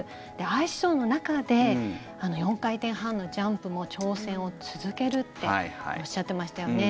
アイスショーの中で４回転半のジャンプも挑戦を続けるっておっしゃってましたよね。